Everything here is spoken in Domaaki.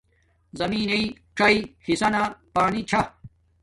زمین نݵ څݵ حصہ نا پانی چھا